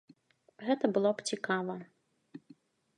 Гэта было б цікава.